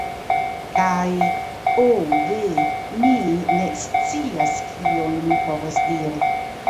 Kaj... ho ve, mi ne scias kion mi povas diri!